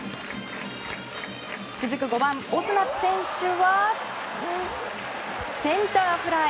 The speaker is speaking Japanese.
続く５番、オスナ選手はセンターフライ。